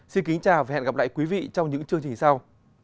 xin kính chào và hẹn gặp lại quý vị trong những chương trình sau